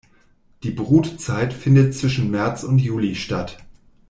Die Brutzeit findet zwischen März und Juli statt.